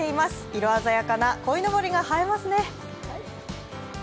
色鮮やかなこいのぼりが映えますね。